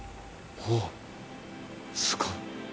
ほっすごい！